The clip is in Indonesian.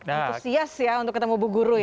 itu sias ya untuk ketemu bu guru ya